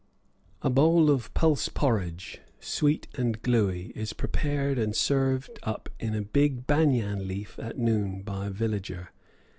A bowl of pulse porridge, sweet and gluey, is prepared and served up in a big banyan leaf at noon by a villager.